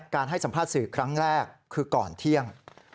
การให้สัมภาษณ์สื่อครั้งแรกคือก่อนเที่ยง